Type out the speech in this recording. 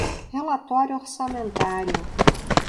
Relatório orçamentário